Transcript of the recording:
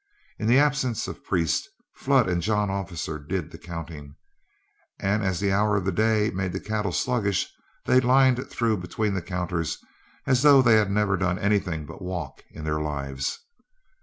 In the absence of Priest, Flood and John Officer did the counting, and as the hour of the day made the cattle sluggish, they lined through between the counters as though they had never done anything but walk in their lives.